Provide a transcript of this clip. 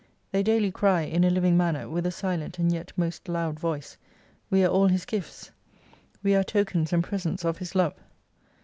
They daily cry in a living manner, with a silent and yet most loud voice, We are all His gifts : We are tokens and presents of His Love.